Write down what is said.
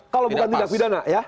kalau bukan tindak pidana ya